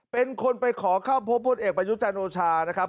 เป็นคนไปขอเข้าพบพลเอกประยุจันทร์โอชานะครับ